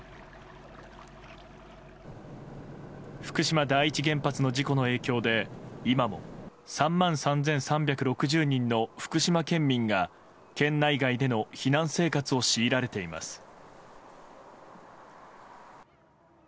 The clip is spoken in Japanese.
福島第一原発の事故の影響で今も３万３３６０人の福島県民が県内外での避難生活を強いられています。